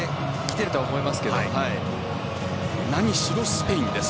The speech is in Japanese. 何しろスペインです。